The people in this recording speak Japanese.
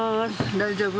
大丈夫？